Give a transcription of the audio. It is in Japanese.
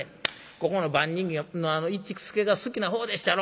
ここの番人の市助が好きな方でっしゃろ。